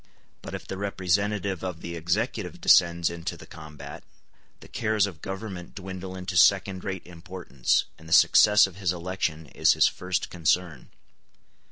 But if the representative of the executive descends into the combat, the cares of government dwindle into second rate importance, and the success of his election is his first concern.